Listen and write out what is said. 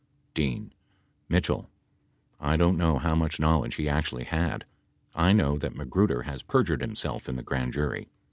D. Mitchell. I don't know how much knowledge he actually had. I know that Magruder has perjured himself in the Grand Jury.